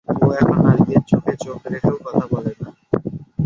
ও এখন নারীদের চোখে চোখ রেখেও কথা বলে না।